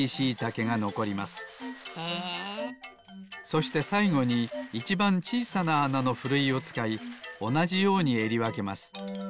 そしてさいごにいちばんちいさなあなのふるいをつかいおなじようにえりわけます。